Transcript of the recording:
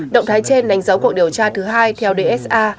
động thái trên đánh dấu cuộc điều tra thứ hai theo dsa